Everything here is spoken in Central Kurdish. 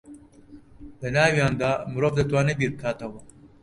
لە ناویاندا مرۆڤ دەتوانێ بیر بکاتەوە